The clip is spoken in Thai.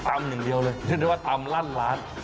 ตำหนึ่งเดียวเลยนึกว่าตำร่านร้าน